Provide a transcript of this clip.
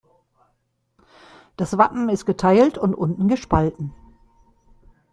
Das Wappen ist geteilt und unten gespalten.